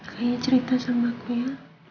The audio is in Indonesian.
kayaknya cerita sama aku ya